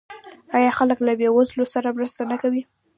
آیا خلک له بې وزلو سره مرسته نه کوي؟